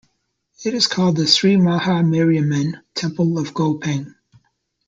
It is called the Sri Maha Mariamman Temple of Gopeng.